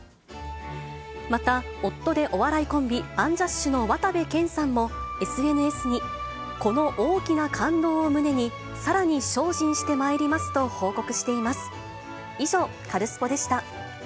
また、夫でお笑いコンビ、アンジャッシュの渡部建さんも、ＳＮＳに、この大きな感動を胸に、さらに精進してまいりますと報告しています。